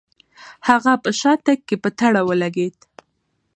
هغه په شاتګ کې په تړه ولګېد.